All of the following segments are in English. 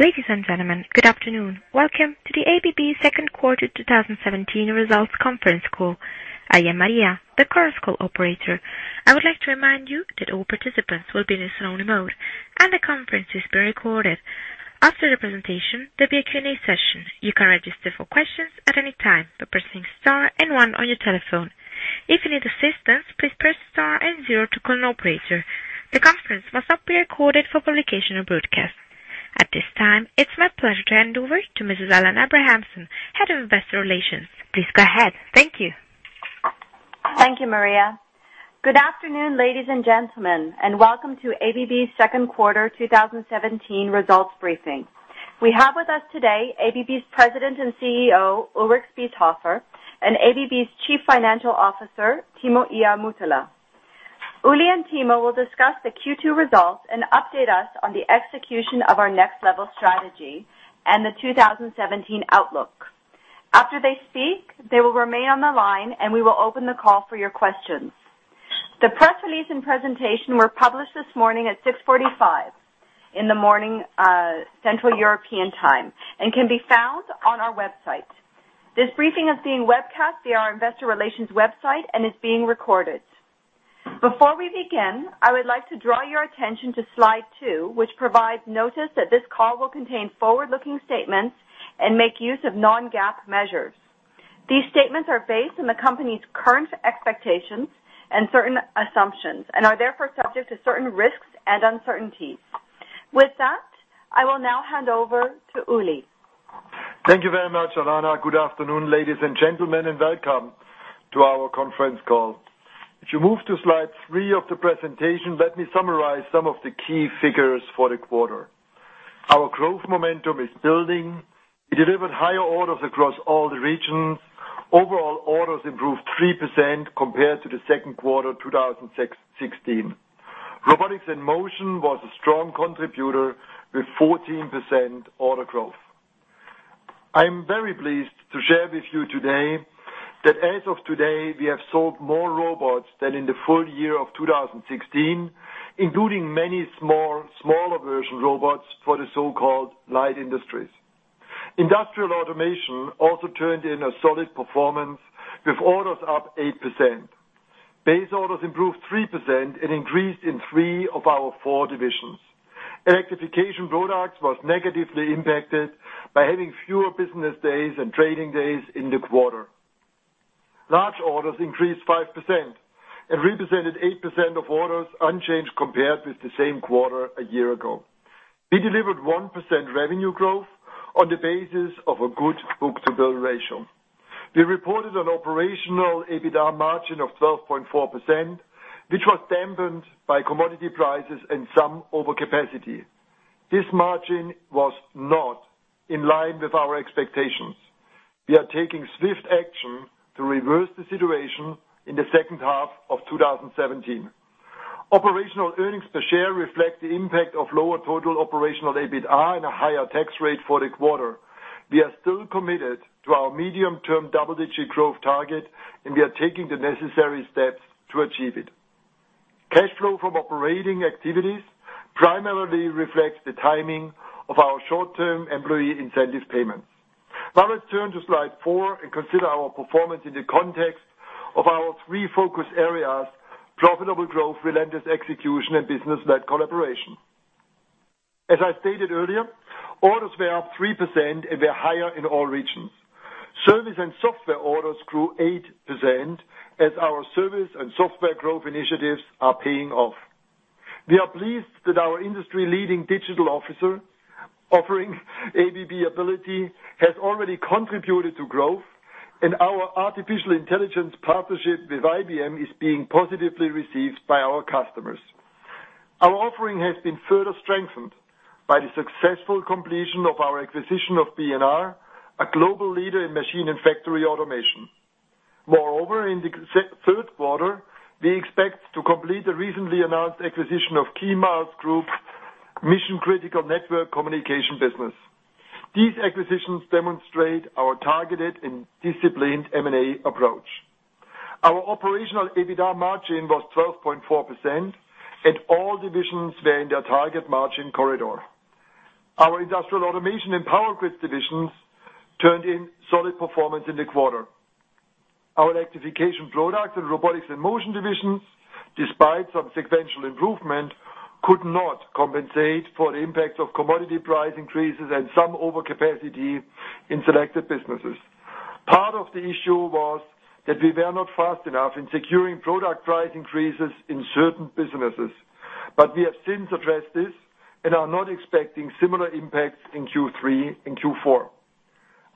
Ladies and gentlemen, good afternoon. Welcome to the ABB second quarter 2017 results conference call. I am Maria, the conference call operator. I would like to remind you that all participants will be in listen-only mode, and the conference is being recorded. After the presentation, there'll be a Q&A session. You can register for questions at any time by pressing star and one on your telephone. If you need assistance, please press star and zero to call an operator. The conference must not be recorded for publication or broadcast. At this time, it's my pleasure to hand over to Mrs. Alanna Abrahamson, head of investor relations. Please go ahead. Thank you. Thank you, Maria. Good afternoon, ladies and gentlemen, and welcome to ABB's second quarter 2017 results briefing. We have with us today ABB's President and CEO, Ulrich Spiesshofer, and ABB's Chief Financial Officer, Timo Ihamuotila. Uli and Timo will discuss the Q2 results and update us on the execution of our Next Level strategy and the 2017 outlook. After they speak, they will remain on the line, and we will open the call for your questions. The press release and presentation were published this morning at 6:45 A.M., Central European Time, and can be found on our website. This briefing is being webcast via our investor relations website and is being recorded. Before we begin, I would like to draw your attention to slide two, which provides notice that this call will contain forward-looking statements and make use of non-GAAP measures. These statements are based on the company's current expectations and certain assumptions and are therefore subject to certain risks and uncertainties. With that, I will now hand over to Uli. Thank you very much, Alanna. Good afternoon, ladies and gentlemen, and welcome to our conference call. If you move to slide three of the presentation, let me summarize some of the key figures for the quarter. Our growth momentum is building. We delivered higher orders across all the regions. Overall orders improved 3% compared to the second quarter 2016. Robotics and Motion was a strong contributor with 14% order growth. I am very pleased to share with you today that as of today, we have sold more robots than in the full year of 2016, including many smaller version robots for the so-called light industries. Industrial Automation also turned in a solid performance with orders up 8%. Base orders improved 3% and increased in three of our four divisions. Electrification Products was negatively impacted by having fewer business days and trading days in the quarter. Large orders increased 5% and represented 8% of orders unchanged compared with the same quarter a year ago. We delivered 1% revenue growth on the basis of a good book-to-bill ratio. We reported an Operational EBITA margin of 12.4%, which was dampened by commodity prices and some overcapacity. This margin was not in line with our expectations. We are taking swift action to reverse the situation in the second half of 2017. Operational earnings per share reflect the impact of lower total Operational EBITA and a higher tax rate for the quarter. We are still committed to our medium-term double-digit growth target. We are taking the necessary steps to achieve it. Cash flow from operating activities primarily reflects the timing of our short-term employee incentive payments. Now let's turn to slide four and consider our performance in the context of our three focus areas: profitable growth, relentless execution, and business-led collaboration. As I stated earlier, orders were up 3%. They're higher in all regions. Service and software orders grew 8% as our service and software growth initiatives are paying off. We are pleased that our industry-leading digital offering, ABB Ability, has already contributed to growth. Our artificial intelligence partnership with IBM is being positively received by our customers. Our offering has been further strengthened by the successful completion of our acquisition of B&R, a global leader in machine and factory automation. Moreover, in the third quarter, we expect to complete the recently announced acquisition of KEYMILE Group's mission-critical network communication business. These acquisitions demonstrate our targeted and disciplined M&A approach. Our Operational EBITDA margin was 12.4%. All divisions were in their target margin corridor. Our Industrial Automation and Power Grids divisions turned in solid performance in the quarter. Our Electrification Products and Robotics and Motion divisions, despite some sequential improvement, could not compensate for the impact of commodity price increases and some overcapacity in selected businesses. Part of the issue was that we were not fast enough in securing product price increases in certain businesses. We have since addressed this and are not expecting similar impacts in Q3 and Q4.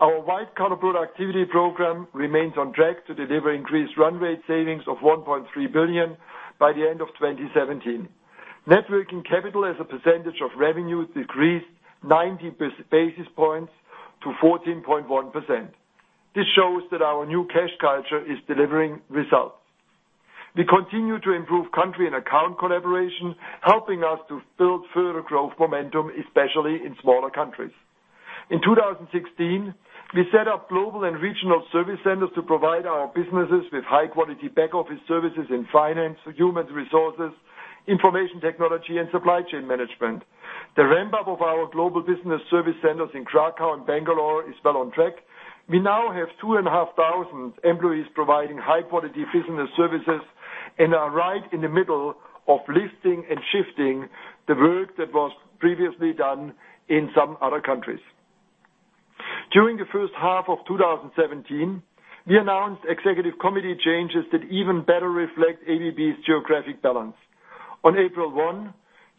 Our white-collar productivity program remains on track to deliver increased run rate savings of $1.3 billion by the end of 2017. Net working capital as a percentage of revenue decreased 90 basis points to 14.1%. This shows that our new cash culture is delivering results. We continue to improve country and account collaboration, helping us to build further growth momentum, especially in smaller countries. In 2016, we set up global and regional service centers to provide our businesses with high-quality back office services in finance, human resources, information technology, and supply chain management. The ramp-up of our global business service centers in Krakow and Bangalore is well on track. We now have 2,500 employees providing high-quality business services and are right in the middle of lifting and shifting the work that was previously done in some other countries. During the first half of 2017, we announced Executive Committee changes that even better reflect ABB's geographic balance. On April 1,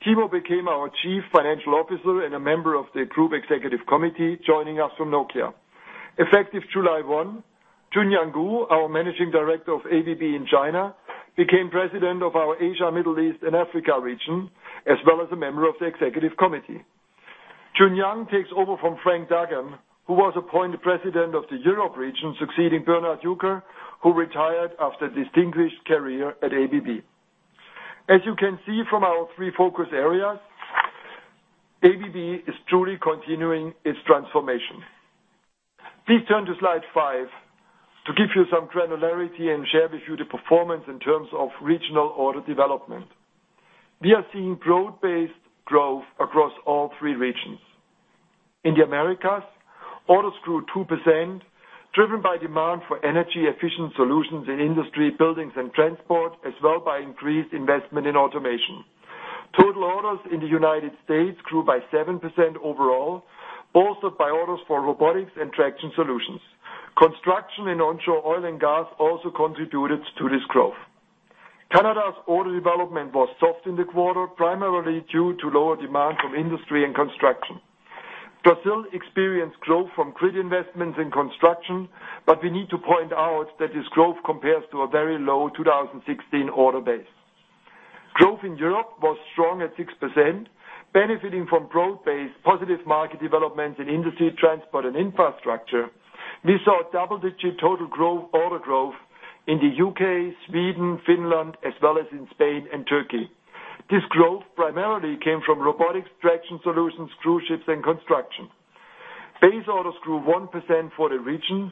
Timo became our Chief Financial Officer and a member of the Executive Committee, joining us from Nokia. Effective July 1, Chunyuan Gu, our managing director of ABB in China, became President of our Asia, Middle East, and Africa region, as well as a member of the Executive Committee. Chunyuan takes over from Frank Duggan, who was appointed President of the Europe region, succeeding Bernhard Jucker, who retired after a distinguished career at ABB. As you can see from our three focus areas, ABB is truly continuing its transformation. Please turn to slide five to give you some granularity and share with you the performance in terms of regional order development. We are seeing broad-based growth across all three regions. In the Americas, orders grew 2%, driven by demand for energy-efficient solutions in industry, buildings, and transport, as well by increased investment in automation. Total orders in the U.S. grew by 7% overall, boosted by orders for robotics and traction solutions. Construction in onshore oil and gas also contributed to this growth. Canada's order development was soft in the quarter, primarily due to lower demand from industry and construction. Brazil experienced growth from grid investments in construction, but we need to point out that this growth compares to a very low 2016 order base. Growth in Europe was strong at 6%, benefiting from broad-based positive market developments in industry, transport, and infrastructure. We saw double-digit total growth, order growth in the U.K., Sweden, Finland, as well as in Spain and Turkey. This growth primarily came from robotics, traction solutions, cruise ships, and construction. Base orders grew 1% for the region,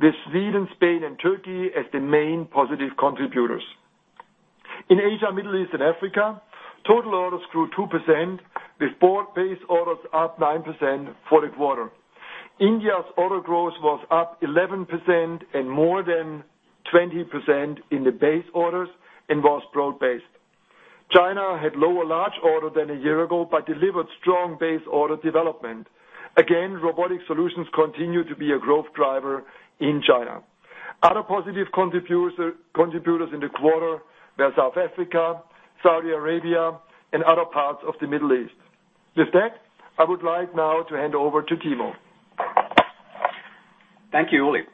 with Sweden, Spain, and Turkey as the main positive contributors. In Asia, Middle East and Africa, total orders grew 2% with book base orders up 9% for the quarter. India's order growth was up 11% and more than 20% in the base orders and was broad based. China had lower large order than a year ago, but delivered strong base order development. Again, robotic solutions continue to be a growth driver in China. Other positive contributors in the quarter were South Africa, Saudi Arabia, and other parts of the Middle East. With that, I would like now to hand over to Timo. Thank you, Ulrich.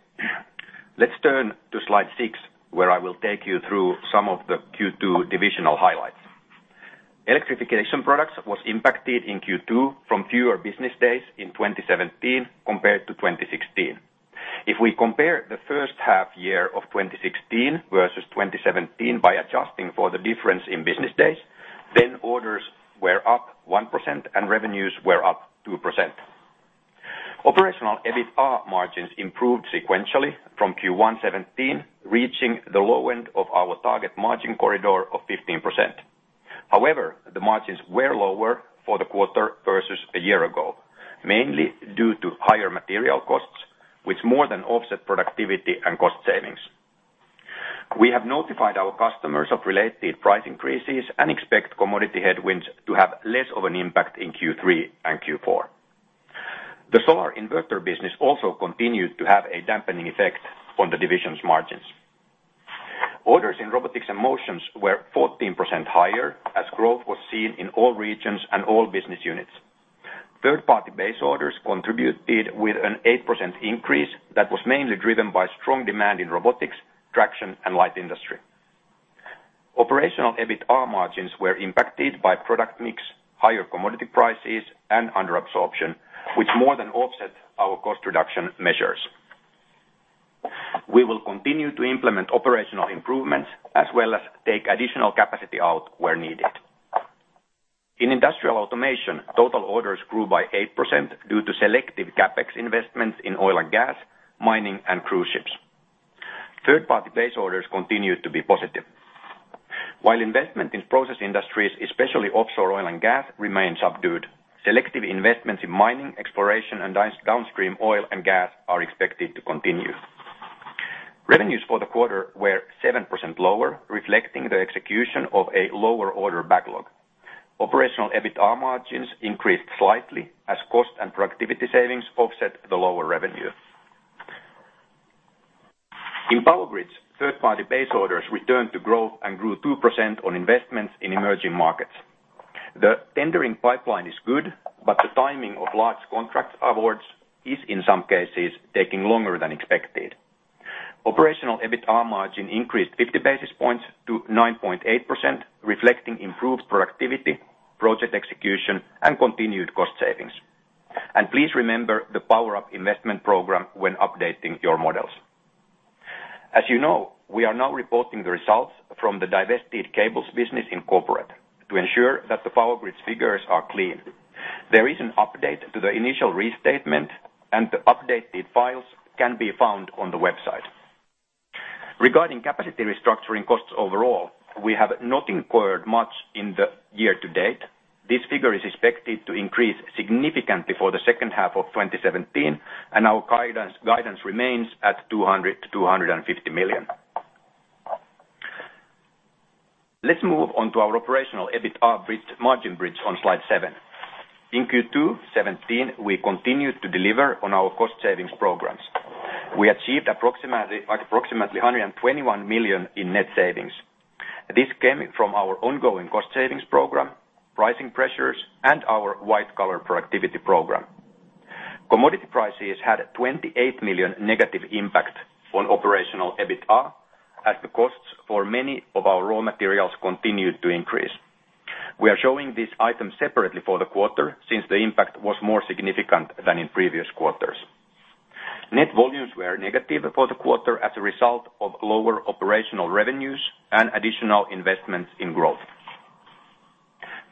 Let's turn to slide six, where I will take you through some of the Q2 divisional highlights. Electrification Products was impacted in Q2 from fewer business days in 2017 compared to 2016. If we compare the first half year of 2016 versus 2017 by adjusting for the difference in business days, then orders were up 1% and revenues were up 2%. Operational EBITA margins improved sequentially from Q1 2017, reaching the low end of our target margin corridor of 15%. However, the margins were lower for the quarter versus a year ago, mainly due to higher material costs, which more than offset productivity and cost savings. We have notified our customers of related price increases and expect commodity headwinds to have less of an impact in Q3 and Q4. The solar inverter business also continued to have a dampening effect on the division's margins. Orders in Robotics and Motion were 14% higher as growth was seen in all regions and all business units. Third-party base orders contributed with an 8% increase that was mainly driven by strong demand in robotics, traction, and light industry. Operational EBITA margins were impacted by product mix, higher commodity prices, and under absorption, which more than offset our cost reduction measures. We will continue to implement operational improvements as well as take additional capacity out where needed. In Industrial Automation, total orders grew by 8% due to selective CapEx investments in oil and gas, mining, and cruise ships. Third-party base orders continued to be positive. While investment in process industries, especially offshore oil and gas, remain subdued, selective investments in mining, exploration, and downstream oil and gas are expected to continue. Revenues for the quarter were 7% lower, reflecting the execution of a lower order backlog. Operational EBITA margins increased slightly as cost and productivity savings offset the lower revenue. In Power Grids, third-party base orders returned to growth and grew 2% on investments in emerging markets. The tendering pipeline is good, but the timing of large contract awards is in some cases taking longer than expected. Operational EBITA margin increased 50 basis points to 9.8%, reflecting improved productivity, project execution, and continued cost savings. Please remember the Power Up investment program when updating your models. As you know, we are now reporting the results from the divested cables business in corporate to ensure that the Power Grids figures are clean. There is an update to the initial restatement, and the updated files can be found on the website. Regarding capacity restructuring costs overall, we have not incurred much in the year to date. This figure is expected to increase significantly for the second half of 2017, and our guidance remains at $200 million-$250 million. Let's move on to our operational EBITA bridge, margin bridge on slide seven. In Q2 2017, we continued to deliver on our cost-savings programs. We achieved approximately $121 million in net savings. This came from our ongoing cost savings program, pricing pressures, and our white-collar productivity program. Commodity prices had a $28 million negative impact on operational EBITA, as the costs for many of our raw materials continued to increase. We are showing this item separately for the quarter, since the impact was more significant than in previous quarters. Net volumes were negative for the quarter as a result of lower operational revenues and additional investments in growth.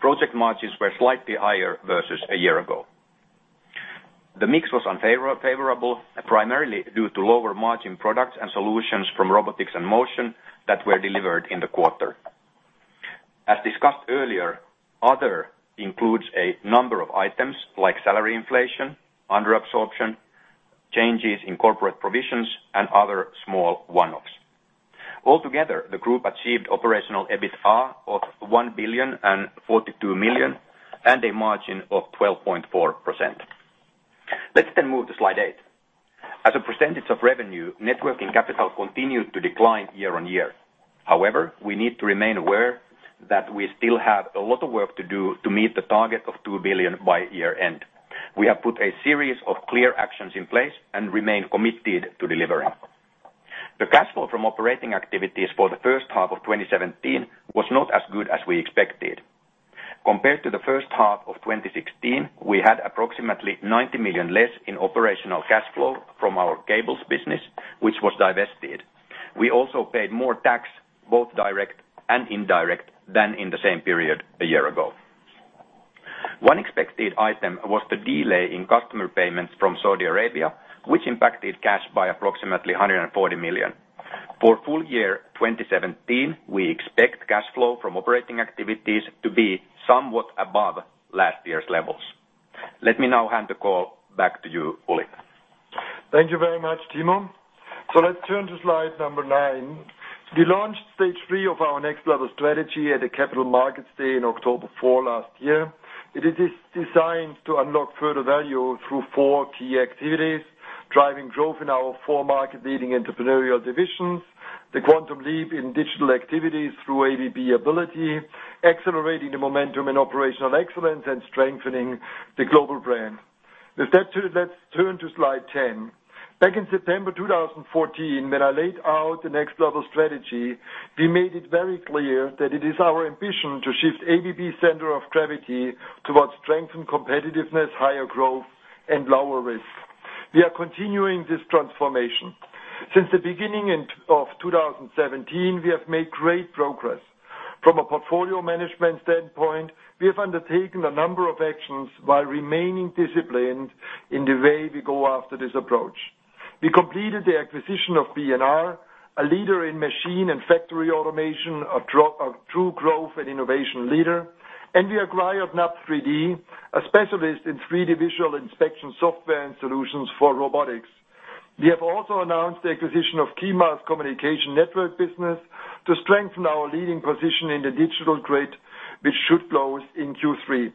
Project margins were slightly higher versus a year ago. The mix was unfavorable, primarily due to lower margin products and solutions from Robotics and Motion that were delivered in the quarter. As discussed earlier, other includes a number of items like salary inflation, under absorption, changes in corporate provisions, and other small one-offs. Altogether, the group achieved operational EBITA of $1,042 million and a margin of 12.4%. Let's move to slide eight. As a percentage of revenue, net working capital continued to decline year on year. However, we need to remain aware that we still have a lot of work to do to meet the target of $2 billion by year-end. We have put a series of clear actions in place and remain committed to delivering. The cash flow from operating activities for the first half of 2017 was not as good as we expected. Compared to the first half of 2016, we had approximately $90 million less in operational cash flow from our cables business, which was divested. We also paid more tax, both direct and indirect, than in the same period a year ago. One expected item was the delay in customer payments from Saudi Arabia, which impacted cash by approximately $140 million. For full year 2017, we expect cash flow from operating activities to be somewhat above last year's levels. Let me now hand the call back to you, Ulrich. Thank you very much, Timo. Let's turn to slide number nine. We launched stage 3 of our Next Level strategy at the Capital Markets Day in October 4 last year. It is designed to unlock further value through four key activities, driving growth in our four market-leading entrepreneurial divisions, the quantum leap in digital activities through ABB Ability, accelerating the momentum in operational excellence, and strengthening the global brand. Let's turn to slide 10. Back in September 2014, when I laid out the Next Level strategy, we made it very clear that it is our ambition to shift ABB center of gravity towards strengthened competitiveness, higher growth, and lower risk. We are continuing this transformation. Since the beginning of 2017, we have made great progress. From a portfolio management standpoint, we have undertaken a number of actions while remaining disciplined in the way we go after this approach. We completed the acquisition of B&R, a leader in machine and factory automation, a true growth and innovation leader, and we acquired NUB3D, a specialist in 3D visual inspection software and solutions for robotics. We have also announced the acquisition of KEYMILE's communication network business to strengthen our leading position in the digital grid, which should close in Q3.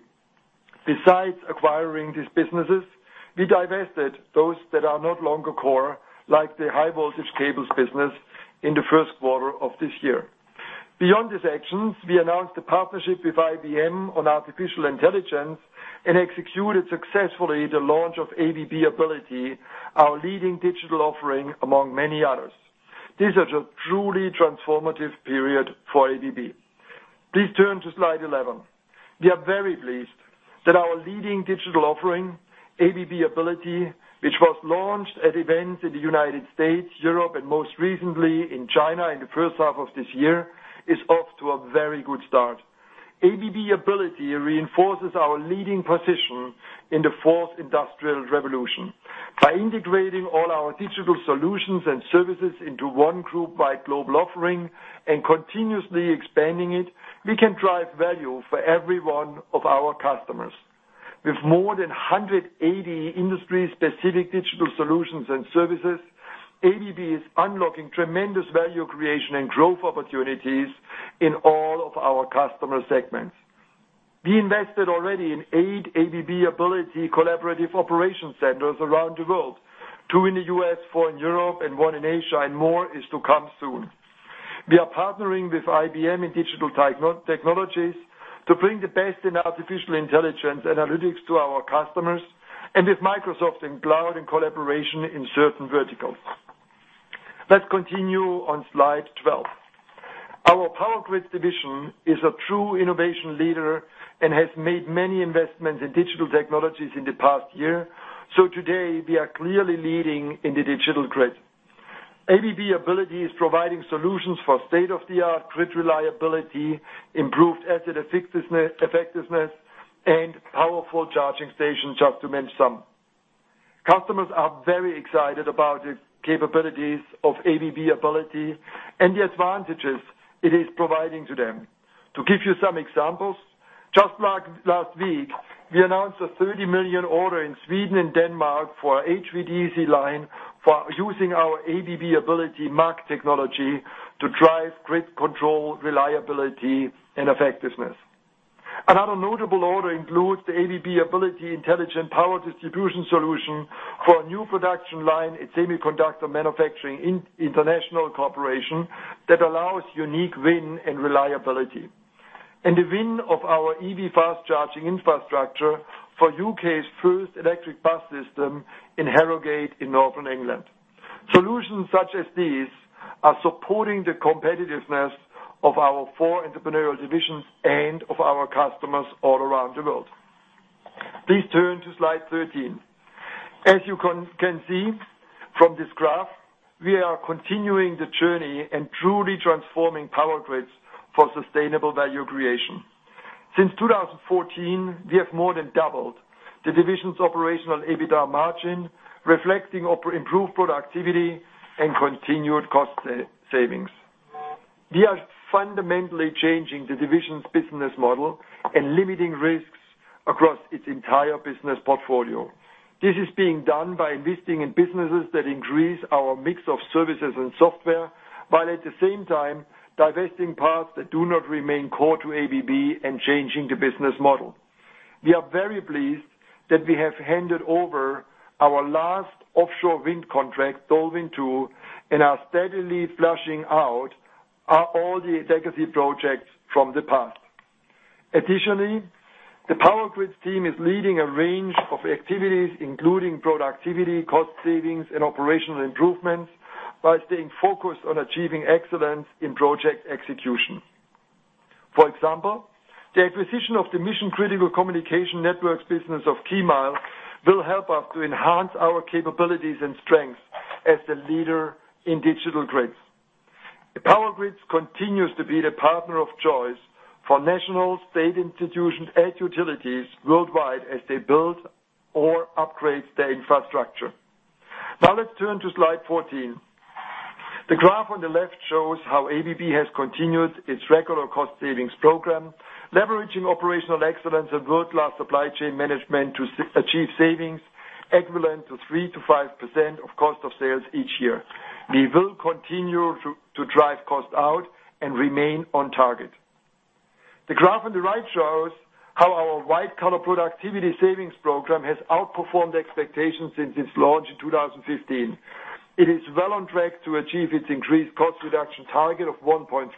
Besides acquiring these businesses, we divested those that are no longer core, like the high voltage cables business in the first quarter of this year. Beyond these actions, we announced a partnership with IBM on artificial intelligence and executed successfully the launch of ABB Ability, our leading digital offering, among many others. These are a truly transformative period for ABB. Please turn to slide 11. We are very pleased that our leading digital offering, ABB Ability, which was launched at events in the U.S., Europe, and most recently in China in the first half of this year, is off to a very good start. ABB Ability reinforces our leading position in the fourth industrial revolution. By integrating all our digital solutions and services into one group wide global offering and continuously expanding it, we can drive value for every one of our customers. With more than 180 industry-specific digital solutions and services, ABB is unlocking tremendous value creation and growth opportunities in all of our customer segments. We invested already in eight ABB Ability collaborative operation centers around the world, two in the U.S., four in Europe, and one in Asia, and more is to come soon. We are partnering with IBM in digital technologies to bring the best in artificial intelligence analytics to our customers and with Microsoft in cloud and collaboration in certain verticals. Let's continue on slide 12. Our Power Grids division is a true innovation leader and has made many investments in digital technologies in the past year. Today, we are clearly leading in the digital grid. ABB Ability is providing solutions for state-of-the-art grid reliability, improved asset effectiveness, and powerful charging stations, just to mention some. Customers are very excited about the capabilities of ABB Ability and the advantages it is providing to them. To give you some examples, just last week, we announced a $30 million order in Sweden and Denmark for our HVDC line for using our ABB Ability MACH technology to drive grid control, reliability, and effectiveness. Another notable order includes the ABB Ability intelligent power distribution solution for a new production line at Semiconductor Manufacturing International Corporation that allows unique [VIN] and reliability, and the [VIN] of our EV fast charging infrastructure for U.K.'s first electric bus system in Harrogate in Northern England. Solutions such as these are supporting the competitiveness of our four entrepreneurial divisions and of our customers all around the world. Please turn to slide 13. As you can see from this graph, we are continuing the journey and truly transforming power grids for sustainable value creation. Since 2014, we have more than doubled the division's Operational EBITDA margin, reflecting improved productivity and continued cost savings. We are fundamentally changing the division's business model and limiting risks across its entire business portfolio. This is being done by investing in businesses that increase our mix of services and software, while at the same time, divesting parts that do not remain core to ABB and changing the business model. We are very pleased that we have handed over our last offshore wind contract, DolWin2, and are steadily flushing out all the legacy projects from the past. Additionally, the Power Grids team is leading a range of activities, including productivity, cost savings, and operational improvements by staying focused on achieving excellence in project execution. For example, the acquisition of the mission-critical communication networks business of KEYMILE will help us to enhance our capabilities and strengths as the leader in digital grids. Power Grids continues to be the partner of choice for national, state institutions, and utilities worldwide as they build or upgrade their infrastructure. Now let's turn to slide 14. The graph on the left shows how ABB has continued its regular cost savings program, leveraging operational excellence and world-class supply chain management to achieve savings equivalent to 3%-5% of cost of sales each year. We will continue to drive costs out and remain on target. The graph on the right shows how our white-collar productivity savings program has outperformed expectations since its launch in 2015. It is well on track to achieve its increased cost reduction target of $1.3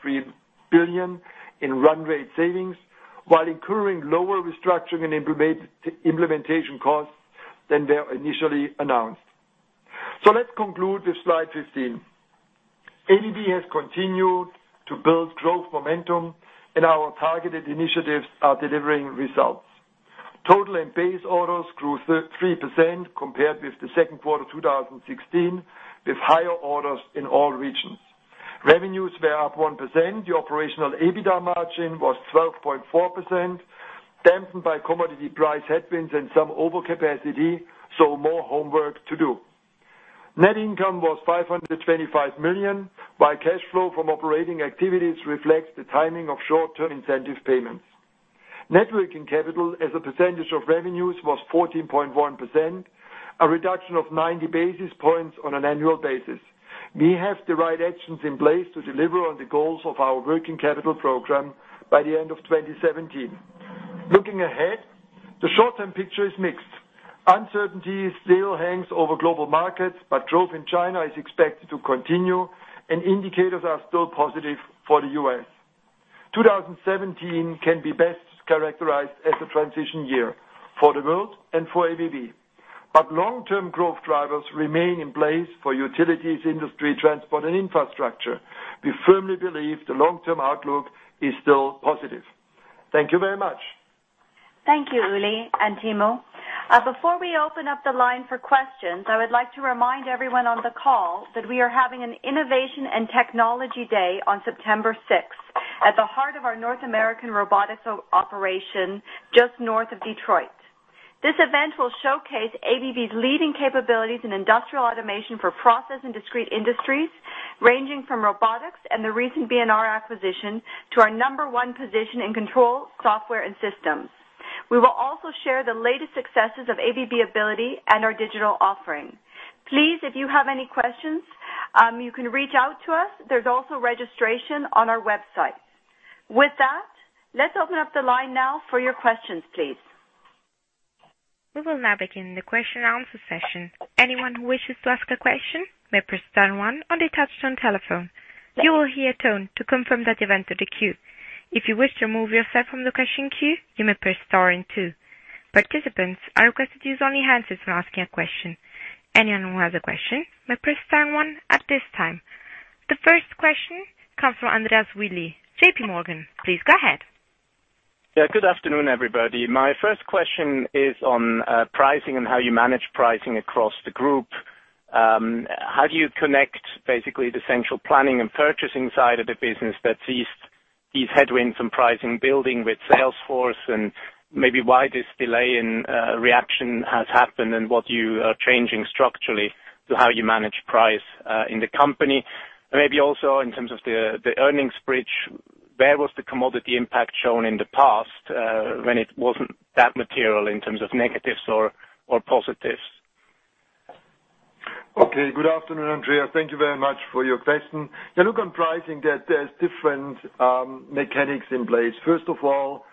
billion in run rate savings, while incurring lower restructuring and implementation costs than were initially announced. Let's conclude with slide 15. ABB has continued to build growth momentum, and our targeted initiatives are delivering results. Total and base orders grew 3% compared with the second quarter of 2016, with higher orders in all regions. Revenues were up 1%. The Operational EBITDA margin was 12.4%, dampened by commodity price headwinds and some overcapacity. More homework to do. Net income was $525 million, while cash flow from operating activities reflects the timing of short-term incentive payments. Net working capital as a percentage of revenues was 14.1%, a reduction of 90 basis points on an annual basis. We have the right actions in place to deliver on the goals of our working capital program by the end of 2017. Looking ahead, the short-term picture is mixed. Uncertainty still hangs over global markets, but growth in China is expected to continue, and indicators are still positive for the U.S. 2017 can be best characterized as a transition year for the world and for ABB. Long-term growth drivers remain in place for utilities, industry, transport, and infrastructure. We firmly believe the long-term outlook is still positive. Thank you very much. Thank you, Uli and Timo. Before we open up the line for questions, I would like to remind everyone on the call that we are having an Innovation and Technology Day on September 6th at the heart of our North American robotics operation, just north of Detroit. This event will showcase ABB's leading capabilities in Industrial Automation for process and discrete industries, ranging from robotics and the recent B&R acquisition to our number one position in control, software, and systems. We will also share the latest successes of ABB Ability and our digital offering. Please, if you have any questions, you can reach out to us. There is also registration on our website. With that, let's open up the line now for your questions, please. We will now begin the question and answer session. Anyone who wishes to ask a question may press star one on the touchtone telephone. You will hear a tone to confirm that you have entered the queue. If you wish to remove yourself from the question queue, you may press star and two. Participants are requested to use only hands when asking a question. Anyone who has a question, may press star one at this time. The first question comes from Andreas Willi, JPMorgan. Please go ahead. Yeah. Good afternoon, everybody. My first question is on pricing and how you manage pricing across the group. How do you connect basically the central planning and purchasing side of the business that sees these headwinds from pricing building with sales force, and maybe why this delay in reaction has happened, and what you are changing structurally to how you manage price in the company. Maybe also in terms of the earnings bridge, where was the commodity impact shown in the past, when it wasn't that material in terms of negatives or positives? Okay. Good afternoon, Andreas. Thank you very much for your question. Look on pricing that there's different mechanics in place. First of all,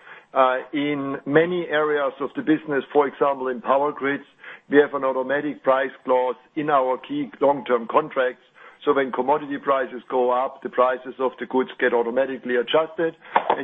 in many areas of the business, for example, in Power Grids, we have an automatic price clause in our key long-term contracts. When commodity prices go up, the prices of the goods get automatically adjusted.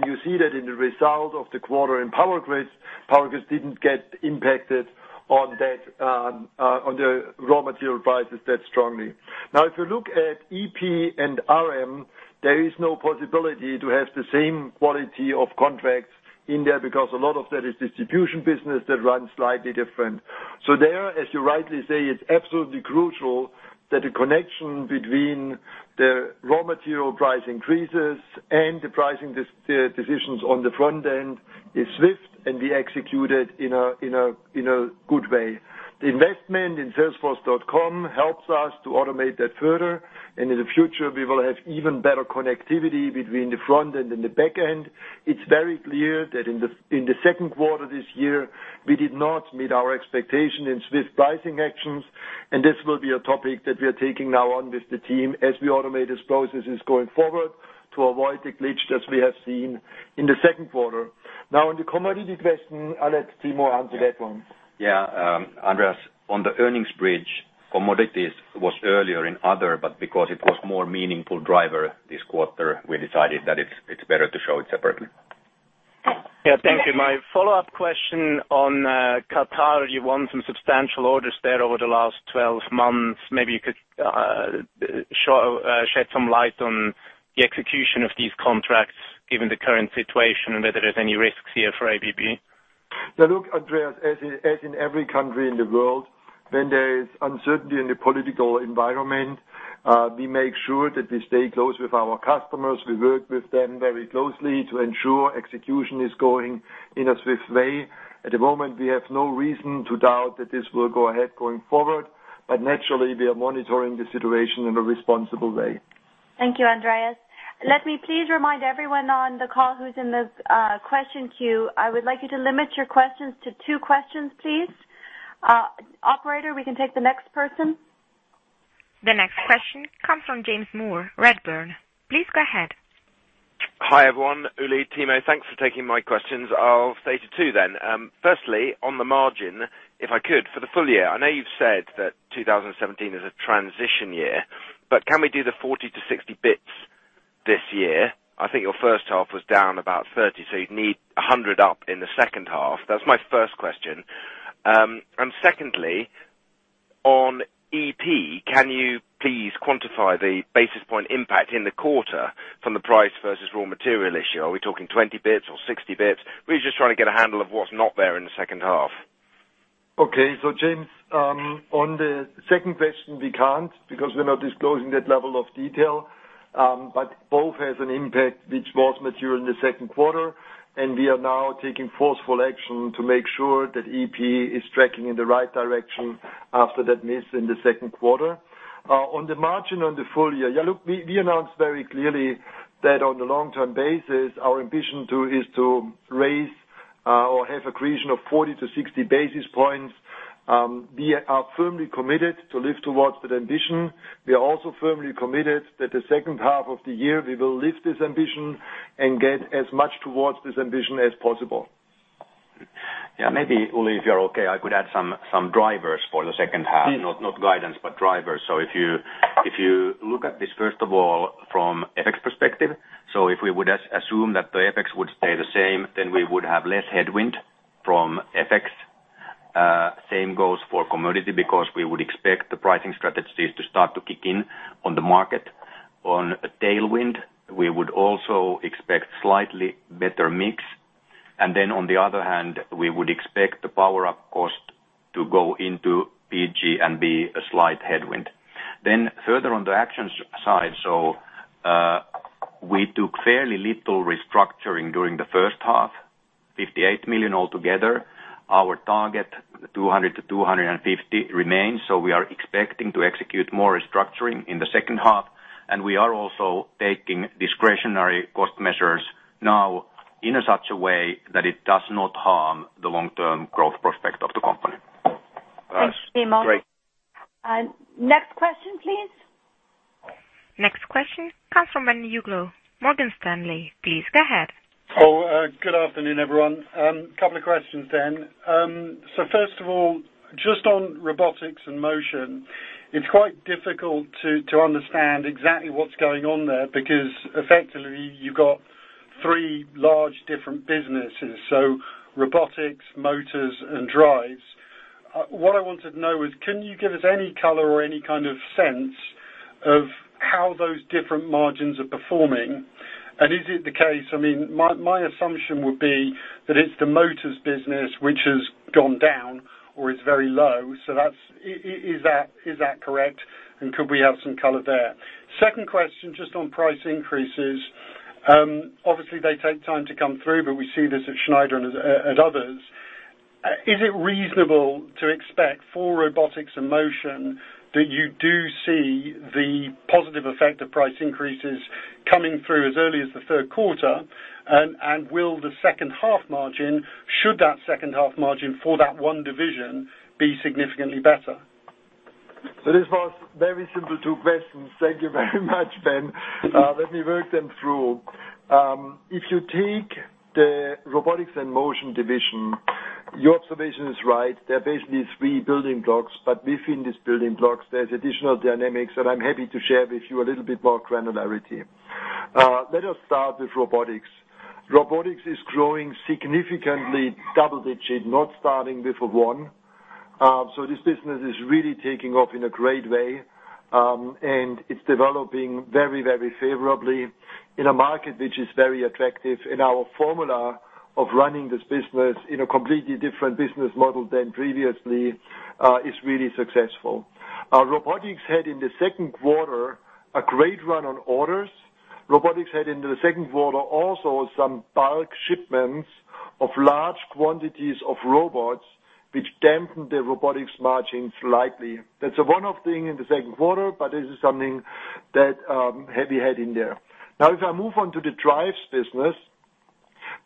You see that in the result of the quarter in Power Grids, Power Grids didn't get impacted on the raw material prices that strongly. If you look at EP and RM, there is no possibility to have the same quality of contracts in there, because a lot of that is distribution business that runs slightly different. There, as you rightly say, it's absolutely crucial that the connection between the raw material price increases and the pricing decisions on the front end is swift and be executed in a good way. The investment in salesforce.com helps us to automate that further, and in the future, we will have even better connectivity between the front and the back end. It's very clear that in the second quarter this year, we did not meet our expectation in swift pricing actions, and this will be a topic that we are taking now on with the team as we automate these processes going forward to avoid the glitch that we have seen in the second quarter. On the commodity question, I'll let Timo answer that one. Yeah. Andreas, on the earnings bridge, commodities was earlier in other, because it was more meaningful driver this quarter, we decided that it's better to show it separately. Yeah. Thank you. My follow-up question on Qatar, you won some substantial orders there over the last 12 months. Maybe you could shed some light on the execution of these contracts given the current situation and whether there's any risks here for ABB. Now look, Andreas, as in every country in the world, when there is uncertainty in the political environment, we make sure that we stay close with our customers. We work with them very closely to ensure execution is going in a swift way. At the moment, we have no reason to doubt that this will go ahead going forward. Naturally, we are monitoring the situation in a responsible way. Thank you, Andreas. Let me please remind everyone on the call who's in the question queue. I would like you to limit your questions to two questions, please. Operator, we can take the next person. The next question comes from James Moore, Redburn. Please go ahead. Hi, everyone. Uli, Timo, thanks for taking my questions. I'll state it two then. Firstly, on the margin, if I could, for the full year, I know you've said that 2017 is a transition year. Can we do the 40 to 60 basis points this year? I think your first half was down about 30, so you'd need 100 up in the second half. That's my first question. Secondly, on EP, can you please quantify the basis point impact in the quarter from the price versus raw material issue? Are we talking 20 basis points or 60 basis points? We're just trying to get a handle of what's not there in the second half. Okay. James, on the second question, we can't, because we're not disclosing that level of detail. Both has an impact which was material in the second quarter, and we are now taking forceful action to make sure that EP is tracking in the right direction after that miss in the second quarter. On the margin on the full year, look, we announced very clearly that on the long-term basis, our ambition is to raise or have a creation of 40 to 60 basis points. We are firmly committed to live towards that ambition. We are also firmly committed that the second half of the year we will lift this ambition and get as much towards this ambition as possible. Yeah. Maybe, Uli, if you're okay, I could add some drivers for the second half. Not guidance, but drivers. If you look at this, first of all, from FX perspective, if we would assume that the FX would stay the same, then we would have less headwind from FX. Same goes for commodity because we would expect the pricing strategies to start to kick in on the market. On tailwind, we would also expect slightly better mix. On the other hand, we would expect the Power Up cost to go into PG and be a slight headwind. Further on the actions side, we took fairly little restructuring during the first half, $58 million altogether. Our target, $200 million-$250 million remains. We are expecting to execute more restructuring in the second half, we are also taking discretionary cost measures now in a such a way that it does not harm the long-term growth prospect of the company. That's great. Thanks, Timo. Next question, please. Next question comes from Ben Uglow, Morgan Stanley. Please go ahead. Oh, good afternoon, everyone. Couple of questions then. First of all, just on Robotics and Motion, it's quite difficult to understand exactly what's going on there because effectively you've got three large different businesses. Robotics, motors, and drives. What I wanted to know is, can you give us any color or any kind of sense of how those different margins are performing? Is it the case, my assumption would be that it's the motors business which has gone down or is very low. Is that correct? Could we have some color there? Second question, just on price increases. Obviously, they take time to come through, but we see this at Schneider and others. Is it reasonable to expect for Robotics and Motion that you do see the positive effect of price increases coming through as early as the third quarter? Will the second half margin, should that second half margin for that one division be significantly better? This was very simple two questions. Thank you very much, Ben. Let me work them through. If you take the Robotics and Motion division, your observation is right. There are basically three building blocks, but within these building blocks, there's additional dynamics, and I'm happy to share with you a little bit more granularity. Let us start with Robotics. Robotics is growing significantly, double digits, not starting with a one. This business is really taking off in a great way, and it's developing very favorably in a market which is very attractive. Our formula of running this business in a completely different business model than previously, is really successful. Robotics had, in the second quarter, a great run on orders. Robotics had in the second quarter also some bulk shipments of large quantities of robots, which dampened the Robotics margin slightly. That's a one-off thing in the second quarter, this is something that we had in there. If I move on to the drives business,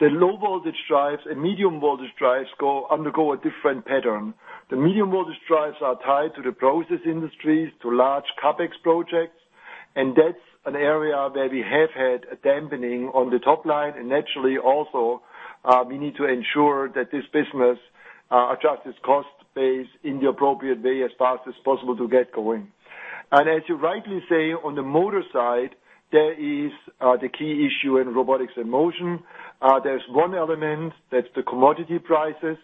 the low-voltage drives and medium-voltage drives undergo a different pattern. The medium-voltage drives are tied to the process industries, to large CapEx projects, that's an area where we have had a dampening on the top line. Naturally, also, we need to ensure that this business adjusts its cost base in the appropriate way as fast as possible to get going. As you rightly say, on the motor side, there is the key issue in Robotics and Motion. There's one element, that's the commodity prices.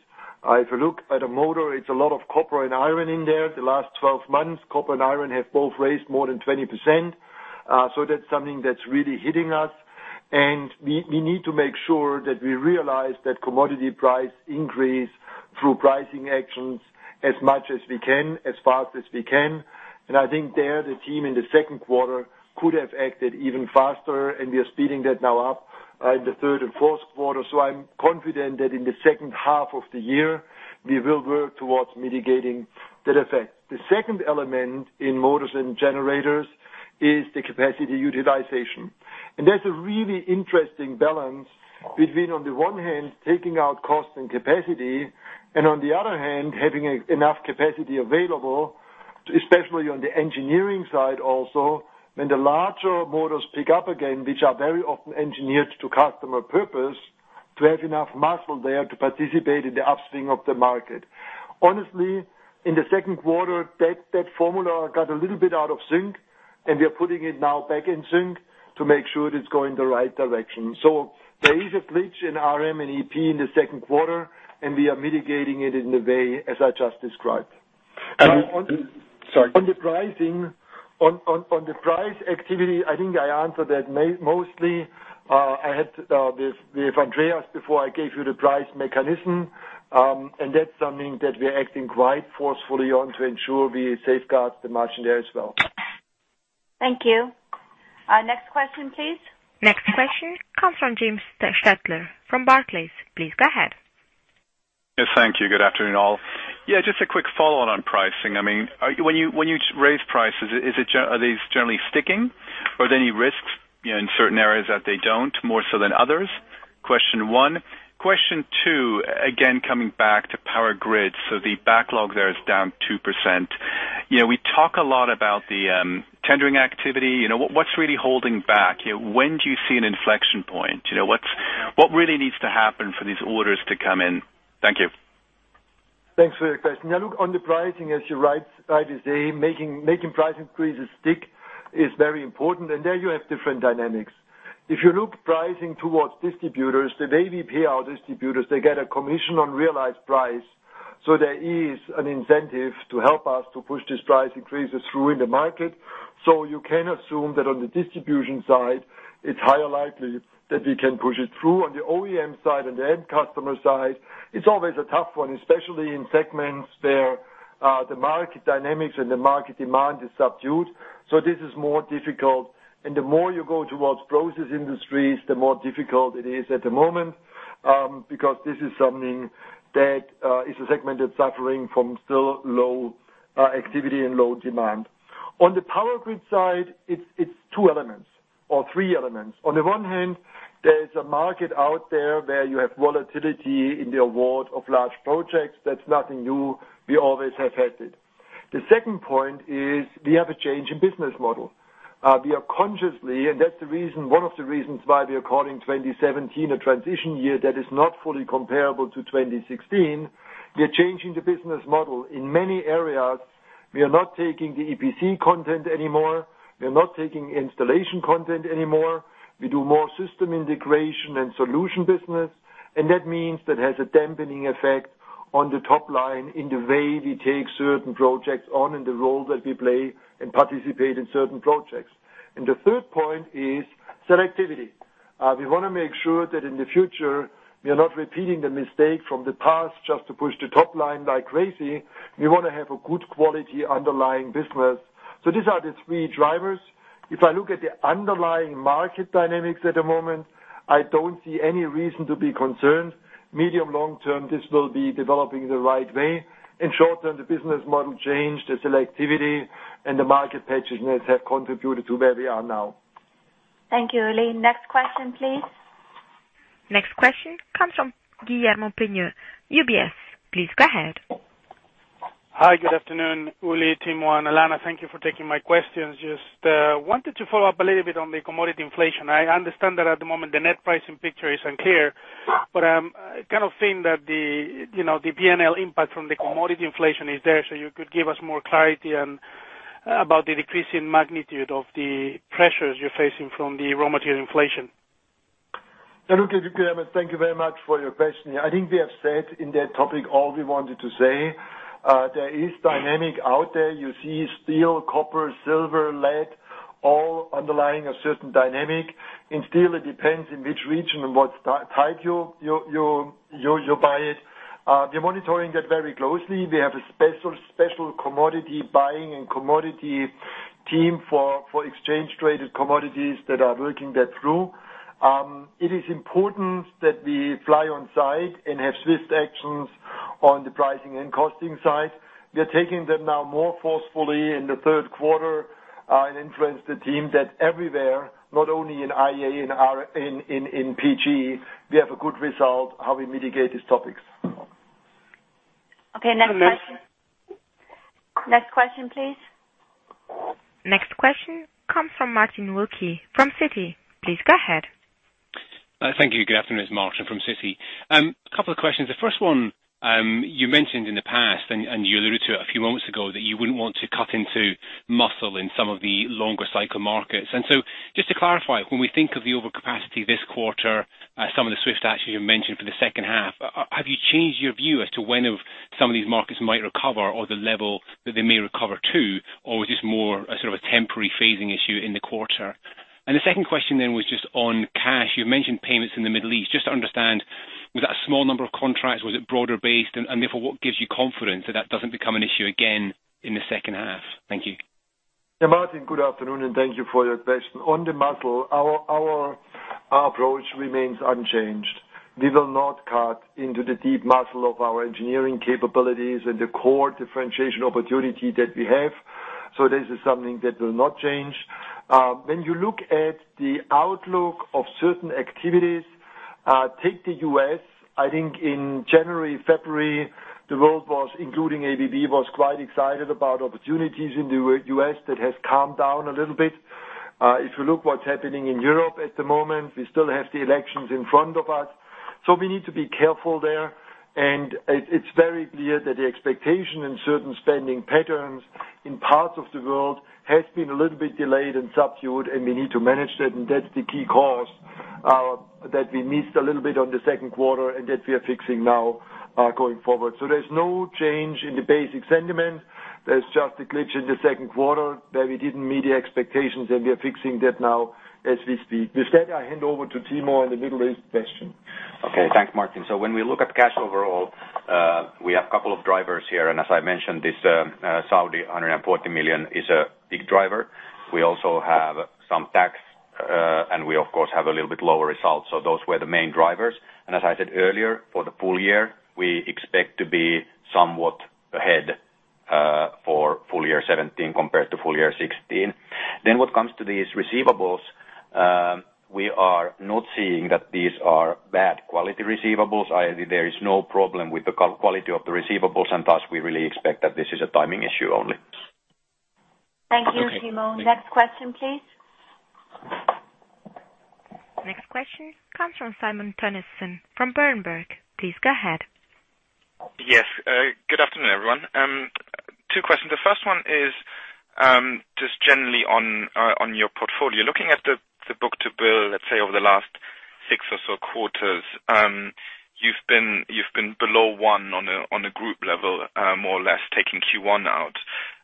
If you look at a motor, it's a lot of copper and iron in there. The last 12 months, copper and iron have both raised more than 20%. That's something that's really hitting us, we need to make sure that we realize that commodity price increase through pricing actions as much as we can, as fast as we can. I think there, the team in the second quarter could have acted even faster, we are speeding that now up in the third and fourth quarter. I'm confident that in the second half of the year, we will work towards mitigating that effect. The second element in motors and generators is the capacity utilization. That's a really interesting balance between, on the one hand, taking out cost and capacity, and on the other hand, having enough capacity available, especially on the engineering side also, when the larger motors pick up again, which are very often engineered to customer purpose, to have enough muscle there to participate in the upswing of the market. Honestly, in the second quarter, that formula got a little bit out of sync, we are putting it now back in sync to make sure it is going the right direction. There is a glitch in RM and EP in the second quarter, we are mitigating it in the way as I just described. Sorry. On the price activity, I think I answered that mostly. I had with Andreas before, I gave you the price mechanism, that's something that we're acting quite forcefully on to ensure we safeguard the margin there as well. Thank you. Next question, please. Next question comes from James Stettler from Barclays. Please go ahead. Yes, thank you. Good afternoon, all. Yeah, just a quick follow-on on pricing. When you raise prices, are these generally sticking or are there any risks in certain areas that they don't more so than others? Question one. Question two, again, coming back to Power Grids. The backlog there is down 2%. We talk a lot about the tendering activity. What's really holding back? When do you see an inflection point? What really needs to happen for these orders to come in? Thank you. Thanks for the question. On the pricing, as you rightly say, making price increases stick is very important. There you have different dynamics. If you look pricing towards distributors, the ABB distributors, they get a commission on realized price. There is an incentive to help us to push these price increases through in the market. You can assume that on the distribution side, it's higher likely that we can push it through. On the OEM side and the end customer side, it's always a tough one, especially in segments where the market dynamics and the market demand is subdued. This is more difficult. The more you go towards process industries, the more difficult it is at the moment, because this is something that is a segment that's suffering from still low activity and low demand. On the Power Grids side, it's two elements or three elements. On the one hand, there is a market out there where you have volatility in the award of large projects. That's nothing new. We always have had it. The second point is we have a change in business model. We are consciously, and that's one of the reasons why we are calling 2017 a transition year that is not fully comparable to 2016. We are changing the business model. In many areas, we are not taking the EPC content anymore. We are not taking installation content anymore. We do more system integration and solution business, and that means that has a dampening effect on the top line in the way we take certain projects on and the role that we play and participate in certain projects. The third point is selectivity. We want to make sure that in the future, we are not repeating the mistake from the past just to push the top line like crazy. We want to have a good quality underlying business. These are the three drivers. If I look at the underlying market dynamics at the moment, I don't see any reason to be concerned. Medium, long term, this will be developing the right way. In short term, the business model change, the selectivity, and the market patchiness have contributed to where we are now. Thank you, Uli. Next question, please. Next question comes from Guillermo Peigneux, UBS. Please go ahead. Hi. Good afternoon, Uli, Timo, and Alanna. Thank you for taking my questions. Just wanted to follow up a little bit on the commodity inflation. I understand that at the moment the net pricing picture is unclear, but I'm kind of seeing that the P&L impact from the commodity inflation is there. You could give us more clarity about the decreasing magnitude of the pressures you're facing from the raw material inflation. Look, Guillermo, thank you very much for your question. I think we have said in that topic all we wanted to say. There is dynamic out there. You see steel, copper, silver, lead, all underlying a certain dynamic. In steel, it depends in which region and what type you buy it. We are monitoring that very closely. We have a special commodity buying and commodity team for exchange traded commodities that are working that through. It is important that we fly on site and have swift actions on the pricing and costing side. We are taking them now more forcefully in the third quarter. Influence the team that everywhere, not only in IA, in PG, we have a good result how we mitigate these topics. Okay. Next question, please. Next question comes from Martin Wilkie from Citi. Please go ahead. Thank you. Good afternoon. It's Martin from Citi. A couple of questions. The first one, you mentioned in the past and you alluded to it a few moments ago that you wouldn't want to cut into muscle in some of the longer cycle markets. Just to clarify, when we think of the overcapacity this quarter, some of the swift actions you mentioned for the second half, have you changed your view as to when some of these markets might recover or the level that they may recover to? Or is this more a sort of a temporary phasing issue in the quarter? The second question then was just on cash. You mentioned payments in the Middle East. Just to understand, was that a small number of contracts? Was it broader based? What gives you confidence that that doesn't become an issue again in the second half? Thank you. Yeah, Martin, good afternoon, and thank you for your question. On the muscle, our approach remains unchanged. We will not cut into the deep muscle of our engineering capabilities and the core differentiation opportunity that we have. This is something that will not change. When you look at the outlook of certain activities, take the U.S., I think in January, February, the world was, including ABB, was quite excited about opportunities in the U.S. That has calmed down a little bit. If you look what's happening in Europe at the moment, we still have the elections in front of us, so we need to be careful there. It's very clear that the expectation in certain spending patterns in parts of the world has been a little bit delayed and subdued, and we need to manage that, and that's the key cause that we missed a little bit on the second quarter and that we are fixing now going forward. There's no change in the basic sentiment. There's just a glitch in the second quarter that we didn't meet the expectations, and we are fixing that now as we speak. With that, I hand over to Timo on the Middle East question. Thanks, Martin. When we look at cash overall, we have a couple of drivers here. As I mentioned, this Saudi $140 million is a big driver. We also have some tax, and we, of course, have a little bit lower results. Those were the main drivers. As I said earlier, for the full year, we expect to be somewhat ahead for full year 2017 compared to full year 2016. What comes to these receivables, we are not seeing that these are bad quality receivables, i.e., there is no problem with the quality of the receivables, and thus, we really expect that this is a timing issue only. Thank you, Timo. Next question, please. Next question comes from Simon Toennessen from Berenberg. Please go ahead. Good afternoon, everyone. Two questions. The first one is just generally on your portfolio. Looking at the book-to-bill, let's say over the last six or so quarters, you've been below one on a group level, more or less taking Q1 out.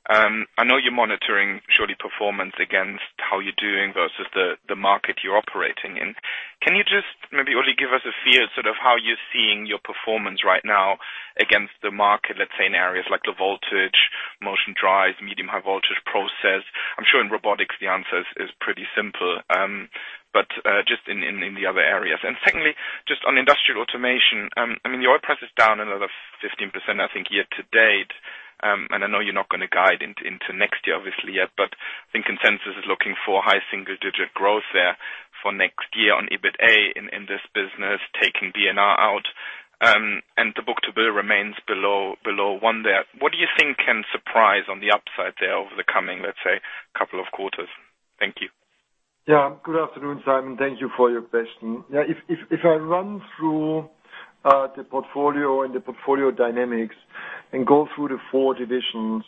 I know you're monitoring surely performance against how you're doing versus the market you're operating in. Can you just maybe only give us a feel sort of how you're seeing your performance right now against the market, let's say in areas like the voltage, motion drives, medium high voltage process? I'm sure in robotics the answer is pretty simple. Just in the other areas. Secondly, just on Industrial Automation, the oil price is down another 15%, I think year to date. I know you're not going to guide into next year obviously yet, but I think consensus is looking for high single-digit growth there for next year on EBITA in this business taking B&R out. The book-to-bill remains below 1 there. What do you think can surprise on the upside there over the coming, let's say, couple of quarters? Thank you. Good afternoon, Simon. Thank you for your question. If I run through the portfolio and the portfolio dynamics and go through the 4 divisions.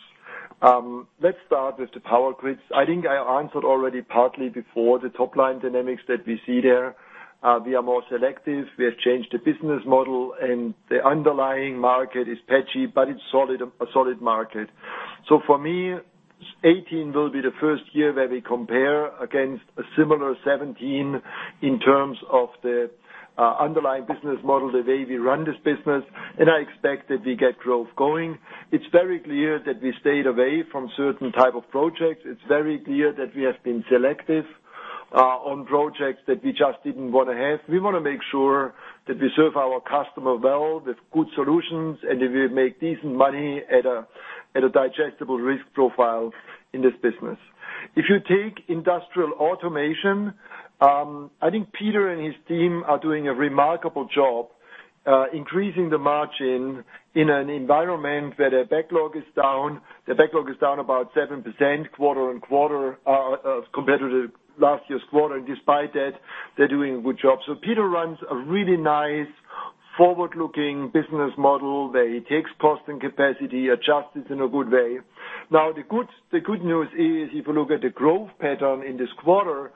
Let's start with the Power Grids. I think I answered already partly before the top-line dynamics that we see there. We are more selective. We have changed the business model, and the underlying market is patchy, but it's a solid market. For me, 2018 will be the first year where we compare against a similar 2017 in terms of the underlying business model, the way we run this business, and I expect that we get growth going. It's very clear that we stayed away from certain type of projects. It's very clear that we have been selective on projects that we just didn't want to have. We want to make sure that we serve our customer well with good solutions, and that we make decent money at a digestible risk profile in this business. If you take Industrial Automation, I think Peter and his team are doing a remarkable job, increasing the margin in an environment where the backlog is down. The backlog is down about 7% quarter-on-quarter of competitive last year's quarter. Despite that, they're doing a good job. Peter runs a really nice forward-looking business model where he takes cost and capacity, adjusts in a good way. The good news is, if you look at the growth pattern in this quarter,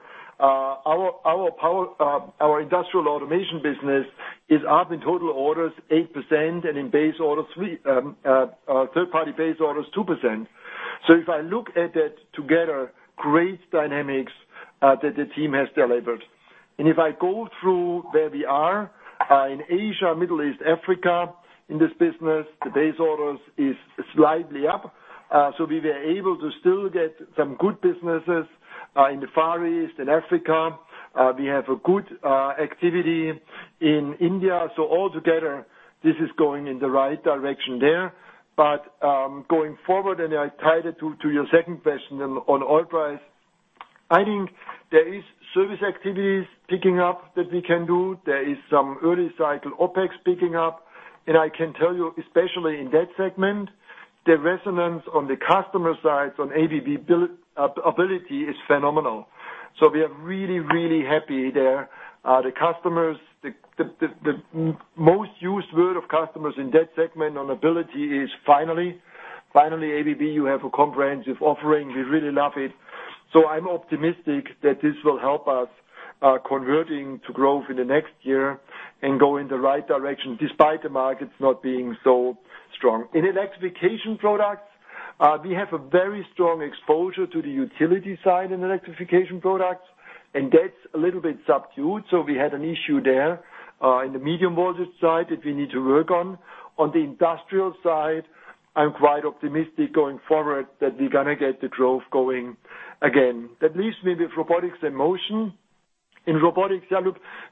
our Industrial Automation business is up in total orders 8% and in third-party base orders 2%. If I look at that together, great dynamics that the team has delivered. If I go through where we are, in Asia, Middle East, Africa, in this business, the base orders is slightly up. We were able to still get some good businesses in the Far East and Africa. We have a good activity in India. All together, this is going in the right direction there. Going forward, and I tied it to your second question on oil price. I think there is service activities picking up that we can do. There is some early cycle OPEX picking up. I can tell you, especially in that segment, the resonance on the customer side on ABB Ability is phenomenal. We are really, really happy there. The most used word of customers in that segment on Ability is "Finally. Finally, ABB, you have a comprehensive offering. We really love it." I'm optimistic that this will help us converting to growth in the next year and go in the right direction despite the markets not being so strong. In Electrification Products, we have a very strong exposure to the utility side in Electrification Products, and that's a little bit subdued. We had an issue there, in the medium voltage side that we need to work on. On the industrial side, I'm quite optimistic going forward that we're going to get the growth going again. That leaves me with Robotics and Motion. In robotics,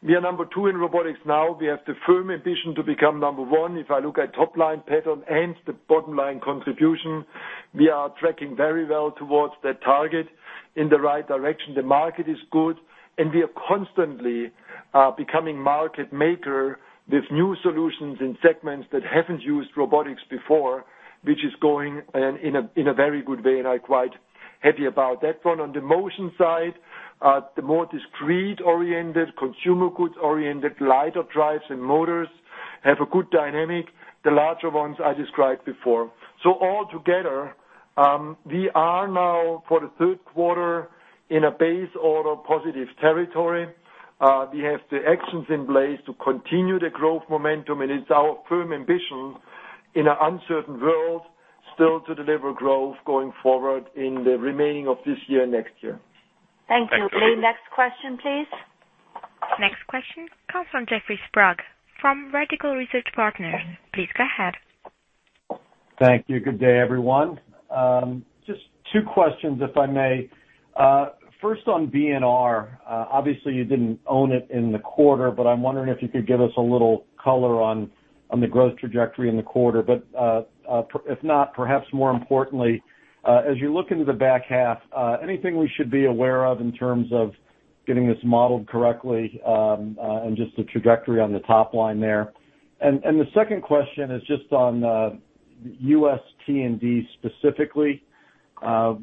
we are number two in robotics now. We have the firm ambition to become number one. If I look at top line pattern and the bottom-line contribution, we are tracking very well towards that target in the right direction. The market is good, we are constantly becoming market maker with new solutions in segments that haven't used robotics before, which is going in a very good way, I'm quite happy about that one. On the motion side, the more discrete-oriented, consumer goods-oriented, lighter drives and motors have a good dynamic. The larger ones I described before. All together, we are now for the third quarter in a base order positive territory. We have the actions in place to continue the growth momentum, it's our firm ambition in an uncertain world still to deliver growth going forward in the remaining of this year, next year. Thank you. Next question, please. Next question comes from Jeffrey Sprague, from Vertical Research Partners. Please go ahead. Thank you. Good day, everyone. Just two questions, if I may. First on B&R. Obviously, you didn't own it in the quarter, but I'm wondering if you could give us a little color on the growth trajectory in the quarter. If not, perhaps more importantly, as you look into the back half, anything we should be aware of in terms of getting this modeled correctly, and just the trajectory on the top line there. The second question is just on U.S. T&D specifically.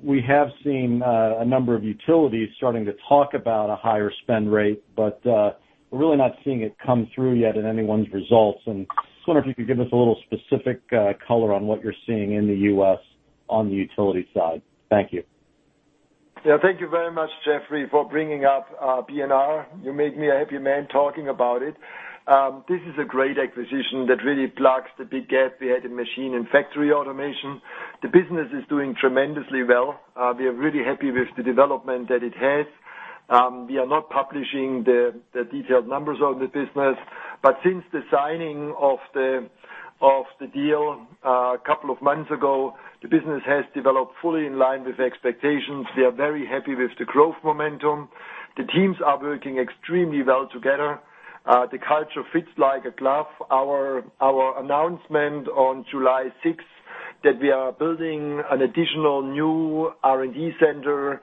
We have seen a number of utilities starting to talk about a higher spend rate, but we're really not seeing it come through yet in anyone's results. Just wonder if you could give us a little specific color on what you're seeing in the U.S. on the utility side. Thank you. Thank you very much, Jeffrey, for bringing up B&R. You make me a happy man talking about it. This is a great acquisition that really plugs the big gap we had in machine and factory automation. The business is doing tremendously well. We are really happy with the development that it has. We are not publishing the detailed numbers of the business, but since the signing of the deal a couple of months ago, the business has developed fully in line with expectations. We are very happy with the growth momentum. The teams are working extremely well together. The culture fits like a glove. Our announcement on July 6th, that we are building an additional new R&D center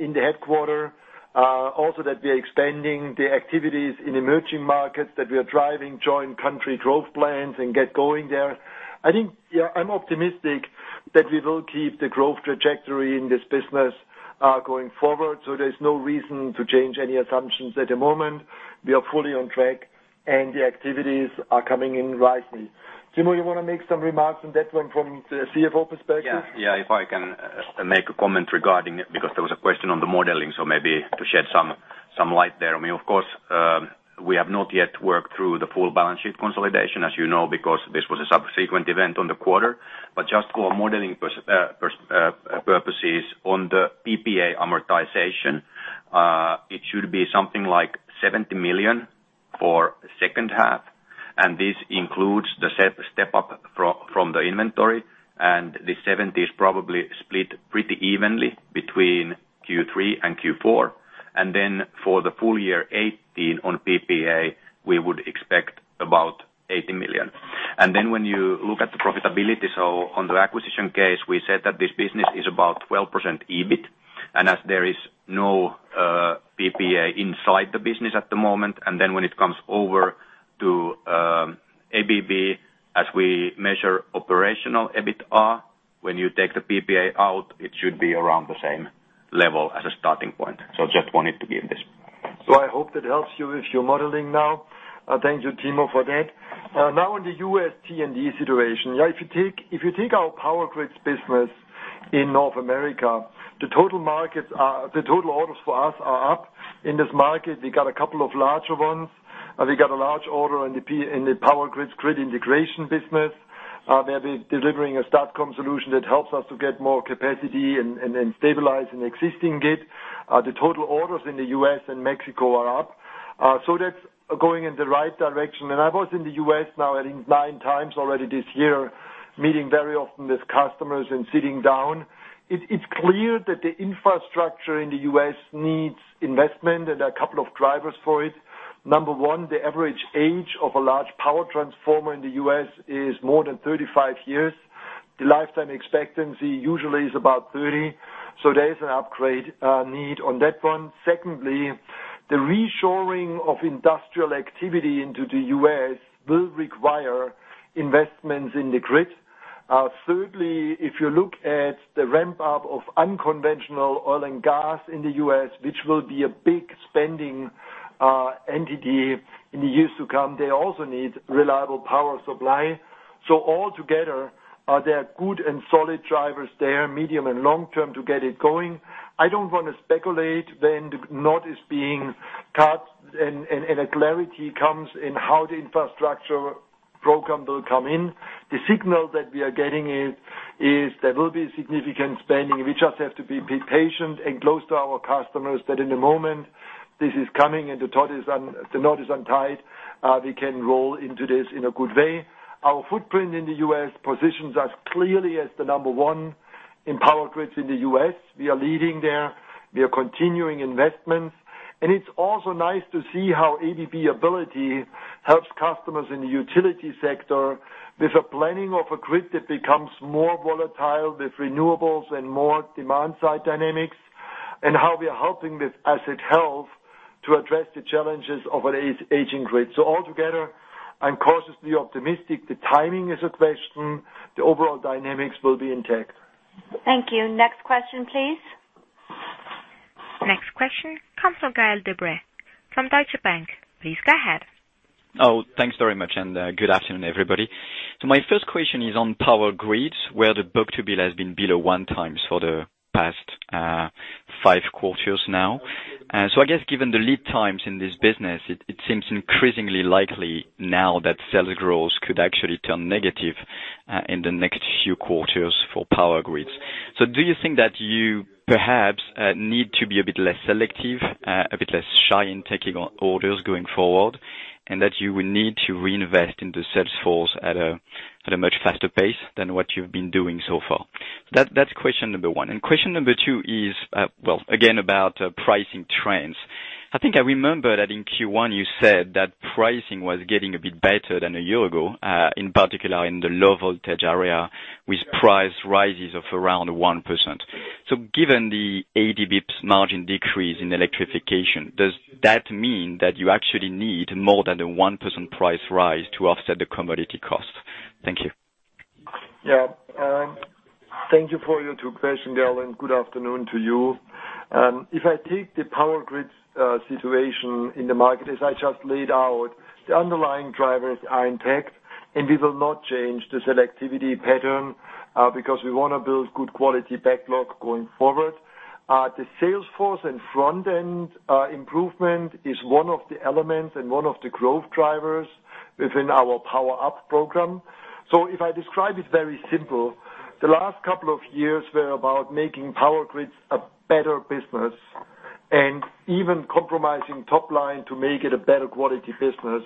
in the headquarter, also that we are expanding the activities in emerging markets, that we are driving joint country growth plans and get going there. I'm optimistic that we will keep the growth trajectory in this business going forward. There's no reason to change any assumptions at the moment. We are fully on track and the activities are coming in rightly. Timo, you want to make some remarks on that one from the CFO perspective? If I can make a comment regarding it, because there was a question on the modeling, maybe to shed some light there. Of course, we have not yet worked through the full balance sheet consolidation, as you know, because this was a subsequent event on the quarter. Just for modeling purposes on the PPA amortization, it should be something like $70 million for second half, and this includes the step up from the inventory, and the $70 million is probably split pretty evenly between Q3 and Q4. For the full year 2018 on PPA, we would expect about $80 million. When you look at the profitability. On the acquisition case, we said that this business is about 12% EBIT, and as there is no PPA inside the business at the moment, when it comes over to ABB, as we measure Operational EBITA, when you take the PPA out, it should be around the same level as a starting point. Just wanted to give this. I hope that helps you with your modeling now. Thank you, Timo, for that. On the U.S. T&D situation. If you take our Power Grids business in North America, the total orders for us are up in this market. We got a couple of larger ones. We got a large order in the Power Grids Grid Integration business. They'll be delivering a STATCOM solution that helps us to get more capacity and then stabilize an existing grid. The total orders in the U.S. and Mexico are up. That's going in the right direction. I was in the U.S. now, I think nine times already this year, meeting very often with customers and sitting down. It's clear that the infrastructure in the U.S. needs investment and a couple of drivers for it. Number one, the average age of a large power transformer in the U.S. is more than 35 years. The lifetime expectancy usually is about 30. There is an upgrade need on that one. Secondly, the reshoring of industrial activity into the U.S. will require investments in the grid. Thirdly, if you look at the ramp up of unconventional oil and gas in the U.S., which will be a big spending entity in the years to come, they also need reliable power supply. All together, there are good and solid drivers there, medium and long term to get it going. I don't want to speculate when the knot is being cut and a clarity comes in how the infrastructure program will come in. The signal that we are getting is there will be significant spending. We just have to be patient and close to our customers, that in the moment this is coming and the knot is untied, we can roll into this in a good way. Our footprint in the U.S. positions us clearly as the number one in Power Grids in the U.S. We are leading there. We are continuing investments. It's also nice to see how ABB Ability helps customers in the utility sector with a planning of a grid that becomes more volatile with renewables and more demand side dynamics, and how we are helping with asset health to address the challenges of an aging grid. All together, I'm cautiously optimistic. The timing is a question. The overall dynamics will be intact. Thank you. Next question, please. Next question comes from Gael De-Bray from Deutsche Bank. Please go ahead. Thanks very much, and good afternoon, everybody. My first question is on Power Grids, where the book-to-bill has been below one time for the past five quarters now. I guess given the lead times in this business, it seems increasingly likely now that sales growth could actually turn negative in the next few quarters for Power Grids. Do you think that you perhaps need to be a bit less selective, a bit less shy in taking on orders going forward, and that you will need to reinvest in the sales force at a much faster pace than what you've been doing so far? That's question number one. Question number two is, again, about pricing trends. I think I remember that in Q1 you said that pricing was getting a bit better than a year ago, in particular in the low voltage area, with price rises of around 1%. Given the 80 basis points margin decrease in electrification, does that mean that you actually need more than a 1% price rise to offset the commodity cost? Thank you. Thank you for your two questions, Gael, and good afternoon to you. If I take the Power Grids situation in the market as I just laid out, the underlying drivers are intact, and we will not change the selectivity pattern because we want to build good quality backlog going forward. The sales force and front-end improvement is one of the elements and one of the growth drivers within our Power Up program. If I describe it very simple, the last couple of years were about making Power Grids a better business, and even compromising top line to make it a better quality business.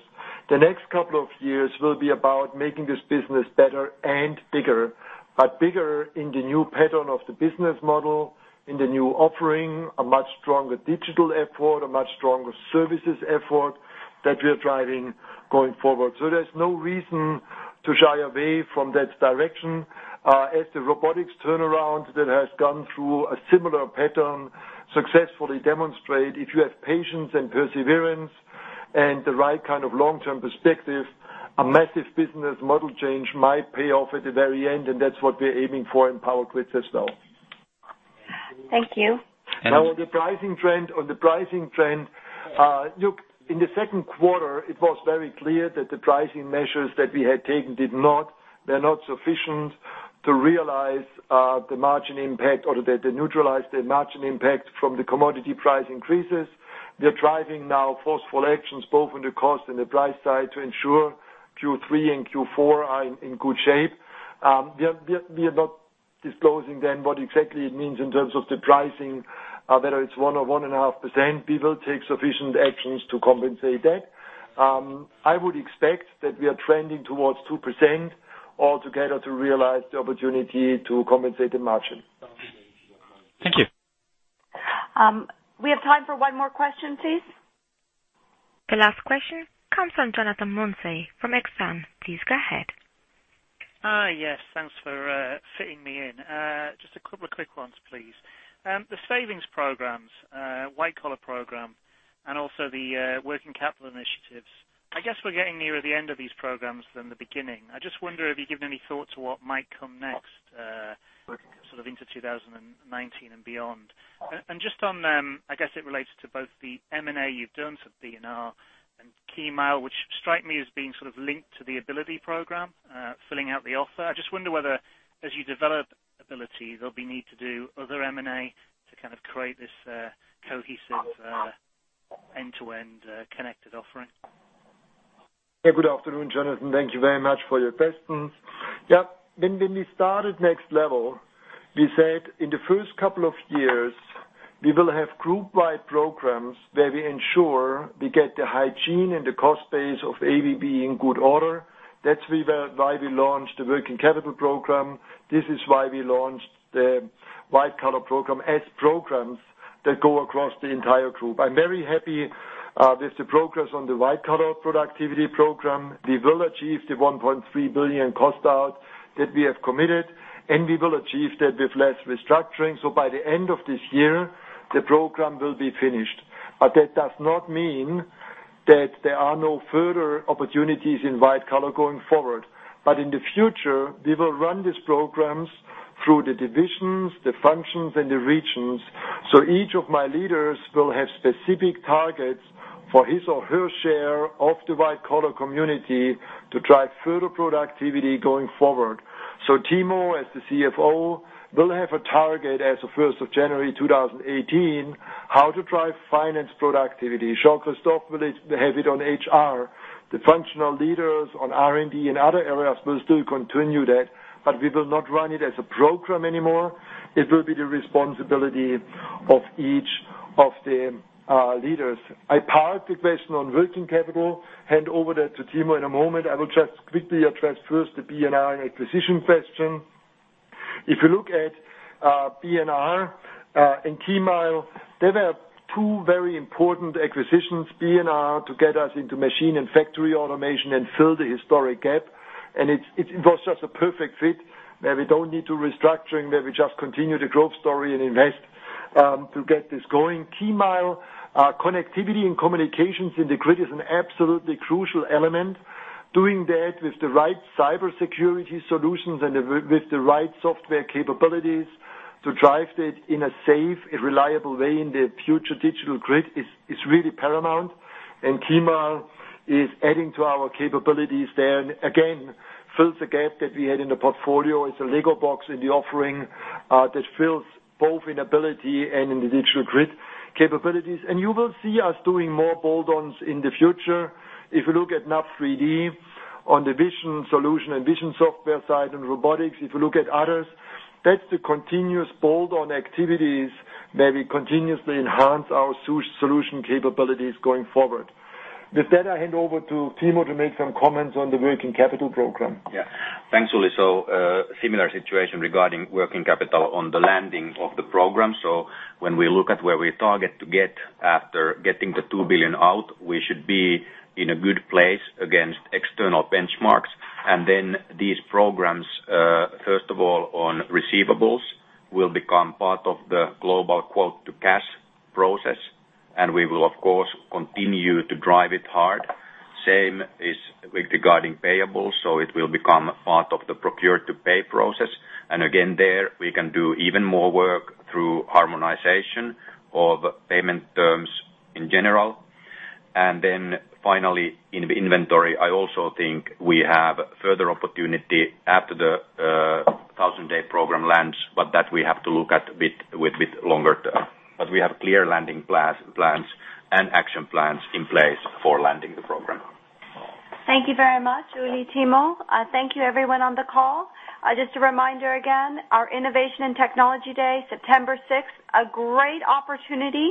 The next couple of years will be about making this business better and bigger, but bigger in the new pattern of the business model, in the new offering, a much stronger digital effort, a much stronger services effort. That we are driving going forward. There is no reason to shy away from that direction. As the robotics turnaround that has gone through a similar pattern successfully demonstrate, if you have patience and perseverance and the right kind of long-term perspective, a massive business model change might pay off at the very end, and that is what we are aiming for in Power Grids as well. Thank you. Look, in the second quarter, it was very clear that the pricing measures that we had taken were not sufficient to realize the margin impact or they neutralize the margin impact from the commodity price increases. We are driving now forceful actions both on the cost and the price side to ensure Q3 and Q4 are in good shape. We are not disclosing what exactly it means in terms of the pricing, whether it's 1% or 1.5%. We will take sufficient actions to compensate that. I would expect that we are trending towards 2% altogether to realize the opportunity to compensate the margin. Thank you. We have time for one more question, please. The last question comes from Jonathan Mounsey from Exane. Please go ahead. Hi. Yes, thanks for fitting me in. Just a couple of quick ones, please. The savings programs, white-collar program, and also the working capital initiatives. I guess we're getting nearer the end of these programs than the beginning. I just wonder if you've given any thoughts on what might come next, sort of into 2019 and beyond. Just on, I guess it relates to both the M&A you've done for B&R and KEYMILE, which strike me as being sort of linked to the Ability program, filling out the offer. I just wonder whether, as you develop Ability, there'll be need to do other M&A to kind of create this cohesive end-to-end connected offering. Good afternoon, Jonathan. Thank you very much for your questions. When we started Next Level, we said in the first couple of years, we will have group-wide programs where we ensure we get the hygiene and the cost base of ABB in good order. That's why we launched the working capital program. This is why we launched the white-collar program as programs that go across the entire group. I'm very happy with the progress on the white-collar productivity program. We will achieve the $1.3 billion cost out that we have committed, and we will achieve that with less restructuring. By the end of this year, the program will be finished. That does not mean that there are no further opportunities in white-collar going forward. In the future, we will run these programs through the divisions, the functions, and the regions. Each of my leaders will have specific targets for his or her share of the white-collar community to drive further productivity going forward. Timo, as the CFO, will have a target as of 1st of January 2018, how to drive finance productivity. Jean-Christophe will have it on HR. The functional leaders on R&D and other areas will still continue that, we will not run it as a program anymore. It will be the responsibility of each of the leaders. I park the question on working capital, hand over that to Timo in a moment. I will just quickly address first the B&R and acquisition question. If you look at B&R and KEYMILE, they were two very important acquisitions. B&R, to get us into machine and factory automation and fill the historic gap. It was just a perfect fit, where we don't need to restructuring, where we just continue the growth story and invest to get this going. KEYMILE, connectivity and communications in the grid is an absolutely crucial element. Doing that with the right cybersecurity solutions and with the right software capabilities to drive that in a safe and reliable way in the future digital grid is really paramount. KEYMILE is adding to our capabilities there, again, fills a gap that we had in the portfolio. It's a Lego box in the offering that fills both in Ability and in the digital grid capabilities. You will see us doing more bolt-ons in the future. If you look at NUB3D on the vision solution and vision software side and robotics, if you look at others, that's the continuous bolt-on activities where we continuously enhance our solution capabilities going forward. With that, I hand over to Timo to make some comments on the working capital program. Thanks, Ulrich. Similar situation regarding working capital on the landing of the program. When we look at where we target to get after getting the $2 billion out, we should be in a good place against external benchmarks. These programs, first of all, on receivables, will become part of the global quote-to-cash process, and we will, of course, continue to drive it hard. Same is with regarding payables. It will become part of the procure-to-pay process. Again, there we can do even more work through harmonization of payment terms in general. Finally, in the inventory, I also think we have further opportunity after the 1,000-day program lands, but that we have to look at with bit longer term. We have clear landing plans and action plans in place for landing the program. Thank you very much, Ulrich, Timo. Thank you, everyone on the call. Just a reminder again, our Innovation and Technology Day, September 6th. A great opportunity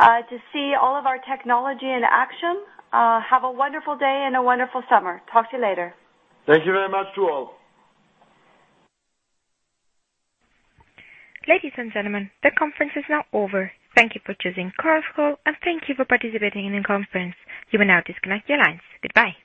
to see all of our technology in action. Have a wonderful day and a wonderful summer. Talk to you later. Thank you very much to all. Ladies and gentlemen, the conference is now over. Thank you for choosing Chorus Call, and thank you for participating in the conference. You will now disconnect your lines. Goodbye.